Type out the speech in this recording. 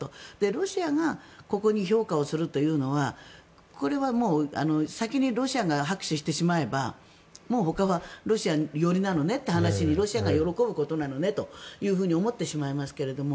ロシアがここに評価をするというのはこれは先にロシアが拍手してしまえばもうほかはロシア寄りなのねという話にロシアが喜ぶことなのねというふうに思ってしまいますけれども。